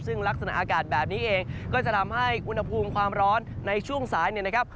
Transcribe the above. ซึ่งลักษณะอากาศแบบนี้เองก็จะทำให้อุณหภูมิความร้อนในช่วงสายเนี่ยนะครับ